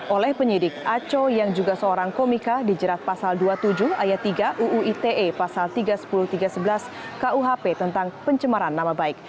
oleh penyidik aco yang juga seorang komika dijerat pasal dua puluh tujuh ayat tiga uu ite pasal tiga ratus sepuluh tiga ratus sebelas kuhp tentang pencemaran nama baik